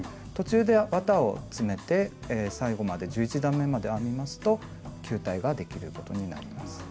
途中で綿を詰めて最後まで１１段めまで編みますと球体ができることになります。